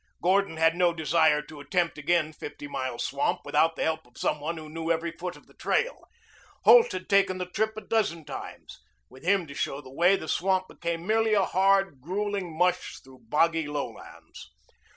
Gordon had no desire to attempt again Fifty Mile Swamp without the help of some one who knew every foot of the trail. Holt had taken the trip a dozen times. With him to show the way the swamp became merely a hard, grueling mush through boggy lowlands.